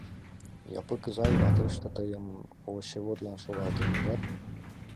— Япык изай, ватетше тыйым овощеводлан шогалтен, ужат?